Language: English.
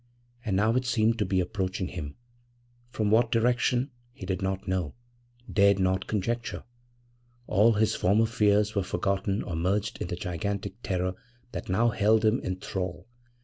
And now it seemed to be approaching him; from what direction he did not know dared not conjecture. All his former fears were forgotten or merged in the gigantic terror that now held him in thrall.